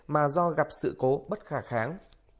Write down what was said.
mà do gặp sự cố bất khả kháng